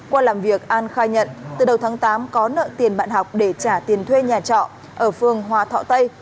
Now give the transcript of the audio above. qua làm việc an khai nhận từ đầu tháng tám có nợ tiền bạn học để trả tiền thuê nhà trọ ở phương hòa thọ tây